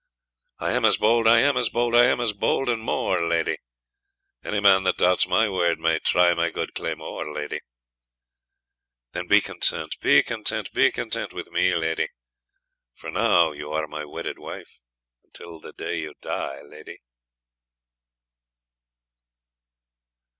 I am as bold, I am as bold, I am as bold and more, lady; Any man that doubts my word, May try my gude claymore, lady. Then be content, be content. Be content with me, lady; For now you are my wedded wife, Until the day you die, lady.